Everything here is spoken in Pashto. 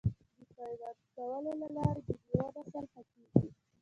د پیوند کولو له لارې د میوو نسل ښه کیږي.